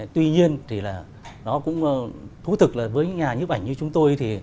tuy nhiên thì là nó cũng thú thực với nhà nhiếp ảnh như chúng tôi